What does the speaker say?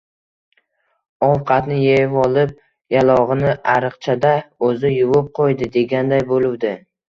– Ovqatni yevolib, yalog‘ini ariqchada o‘zi yuvib qo‘ydi, deganday bo‘luvdi